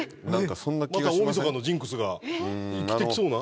また大晦日のジンクスが生きてきそうな。